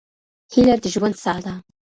هيله د ژوند ساه ده.